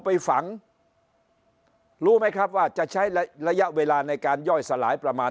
ไปฝังรู้ไหมครับว่าจะใช้ระยะเวลาในการย่อยสลายประมาณ